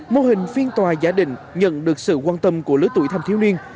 mô hình phiên tòa gia đình nhận được sự quan tâm của lứa tuổi thanh thiếu niên